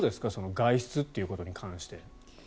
外出ということに関して。